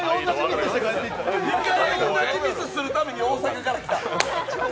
２回同じミスするために大阪から来た。